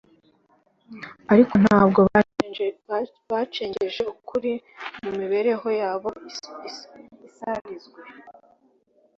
Ariko ntabwo bacengeje ukuri mu mibereho yabo isarizwe,